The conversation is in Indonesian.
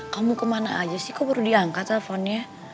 kamu kemana aja sih kok baru diangkat teleponnya